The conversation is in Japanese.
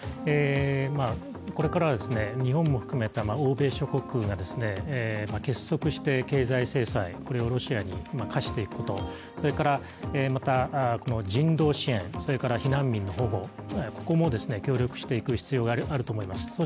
これからは日本も含めた欧米諸国が結束して経済制裁、これをロシアに科していくこと、それからまた人道支援、それから避難民の保護も協力していく必要があると思います。